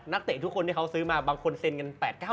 เตะทุกคนที่เขาซื้อมาบางคนเซ็นกัน๘๙